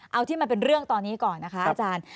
เอาที่มันเป็นเรื่องตอนนี้ก่อนนะคะอาจารย์